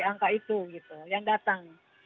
angka itu gitu yang datang